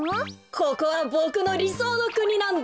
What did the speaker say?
ここはボクのりそうのくになんだ。